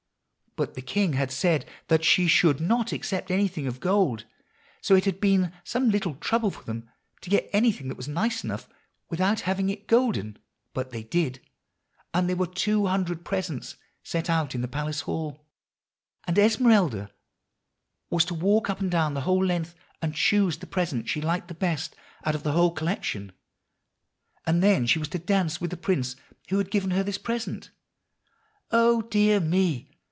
But the king had said that she should not accept anything of gold, so it had been some little trouble for them to get anything that was nice enough without having it golden. But they did, and there were two hundred presents set out in the palace hall. And Esmeralda was to walk up and down the whole length, and choose the present she liked the best out of the whole collection; and then she was to dance with the prince who had given her this present. Oh, dear me!